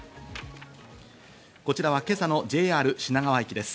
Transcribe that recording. こちらは今朝のＪＲ品川駅です。